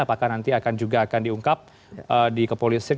apakah nanti akan juga diungkap di kapolusian